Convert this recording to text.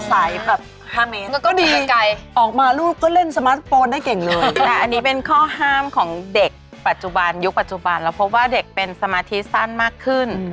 แบบ๕เมตรแล้วก็ดีใจออกมาลูกก็เล่นสมาร์ทโฟนได้เก่งเลยแต่อันนี้เป็นข้อห้ามของเด็กปัจจุบันยุคปัจจุบันเราพบว่าเด็กเป็นสมาธิสั้นมากขึ้น